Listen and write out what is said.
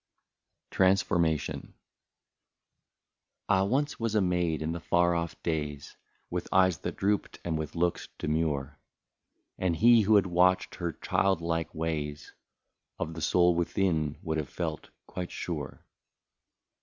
i6i I TRANSFORMATION. Ah ! once was a maid in the far off days, With eyes that drooped and with looks demure ; And he who had watched her child like ways, Of the soul within would have felt quite sure.